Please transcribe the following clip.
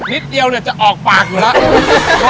นิดเดียวจะออกปากอยู่แล้ว